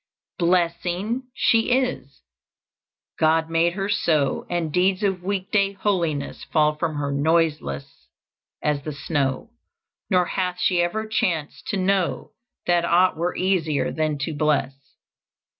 "Blessing she is; God made her so, And deeds of week day holiness Fall from her noiseless as the snow, Nor hath she ever chanced to know That aught were easier than to bless.